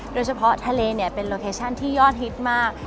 โดยเฉพาะทะเลเนี่ยเป็นโลเคชั่นที่ยอดฮิตมาก